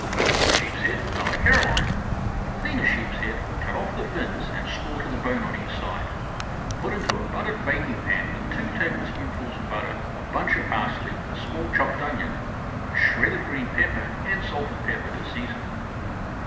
SHEEPSHEAD À LA CAROLINE Clean a sheepshead, cut off the fins and score to the bone on each side. Put into a buttered baking pan with two tablespoonfuls of butter, a bunch of parsley, a small chopped onion, a shredded green pepper, and salt and pepper to season.